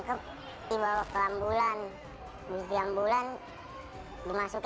kita ke polis tuh ya dia langsung